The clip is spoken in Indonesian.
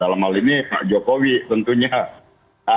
dalam hal ini pak jokowi tentunya